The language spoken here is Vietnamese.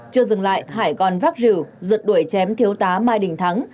chưa dừng lại hải còn vác rượu rượt đuổi chém thiếu tá mai đình thắng